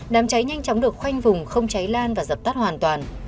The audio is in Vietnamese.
đám cháy nhanh chóng được khoanh vùng không cháy lan và dập tắt hoàn toàn